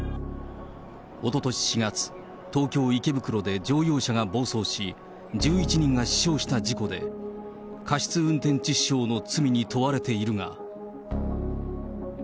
おととし４月、東京・池袋で乗用車が暴走し、１１人が死傷した事故で、過失運転致死傷の罪に問われているが。